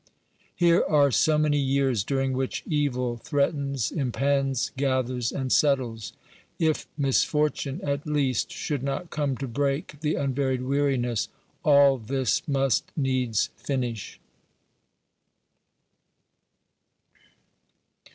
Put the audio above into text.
Here are so many years during which evil threatens, impends, gathers and settles. If misfortune at least should not come to break the unvaried weariness, all this must needs finish.